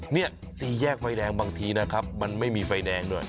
นี่สี่แยกไฟแดงบางทีนะครับมันไม่มีไฟแดงด้วย